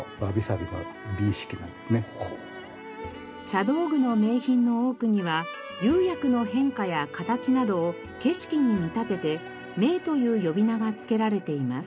茶道具の名品の多くには釉薬の変化や形などを景色に見立てて「銘」という呼び名が付けられています。